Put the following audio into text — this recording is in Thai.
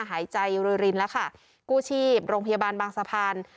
หายใจรวยรินแล้วค่ะกู้ชีพโรงพยาบาลบางสะพาน